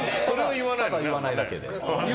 ただ、言わないだけで。